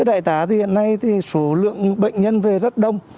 đại tà hiện nay số lượng bệnh nhân về rất đông